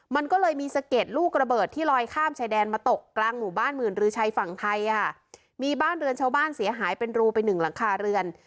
มันก็เลยมีสะเก็ดลูกระเบิดที่ลอยข้ามชายแดนมาตกกลางหมู่บ้านหมื่นรือชัยฝั่งไทยค่ะมีบ้านเรือนชาวบ้านเสียหายเป็นรูไปหนึ่งหลังคาเรือน